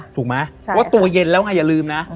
ถูกไหมว่าตัวเย็นแล้วไงอย่าลืมนะ